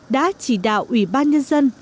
đã chỉ đạo ủy ban nhân dân